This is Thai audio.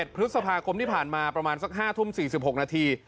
พฤษภาคมที่ผ่านมาประมาณสัก๕ทุ่ม๔๖นาที